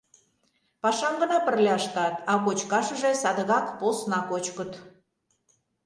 Пашам гына пырля ыштат, а кочкашыже садыгак посна кочкыт.